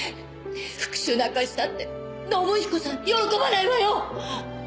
復讐なんかしたって信彦さん喜ばないわよ！